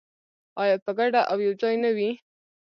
آیا په ګډه او یوځای نه وي؟